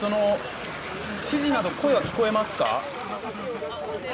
指示など声は聞こえますか？